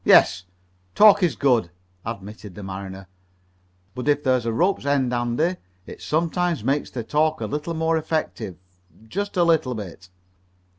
"Yes, talk is good," admitted the mariner, "but if there's a rope's end handy, it sometimes makes the talk a little more effective just a little bit."